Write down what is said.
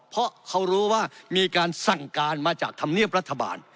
เพราะเขารู้ว่ามีการสั่งการมาจากธรรมเนียบรัฐบาล